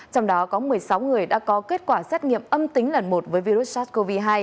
trong đó có một mươi sáu người đã có kết quả xét nghiệm âm tính lần một với virus sars cov hai